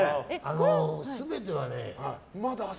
全てはね